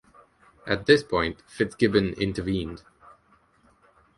At this point, FitzGibbon intervened.